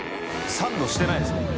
サンドしてないですもんね。